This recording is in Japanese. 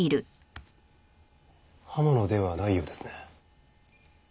刃物ではないようですね。